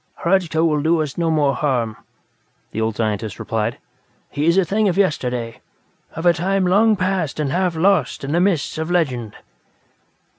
"Hradzka will do us no more harm," the old scientist replied. "He is a thing of yesterday; of a time long past and half lost in the mists of legend."